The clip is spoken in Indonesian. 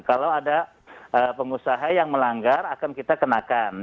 kalau ada pengusaha yang melanggar akan kita kenakan